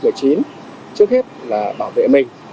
trước hết là bảo vệ mình